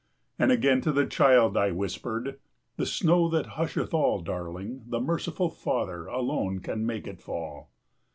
And again to the child I whispered, "The snow that husheth all, Darling, the merciful Father 35 Alone can make it fall!"